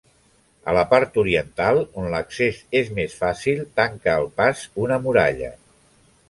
A la part oriental, on l'accés és més fàcil, tanca el pas una muralla.